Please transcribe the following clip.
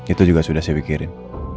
itu juga sudah saya pikirin